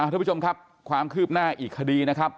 ทุกผู้ชมครับความคืบหน้าอีกคดีนะครับ